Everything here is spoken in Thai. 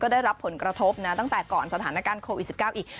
ได้รับผลกระทบนะตั้งแต่ก่อนสถานการณ์โควิด๑๙อีก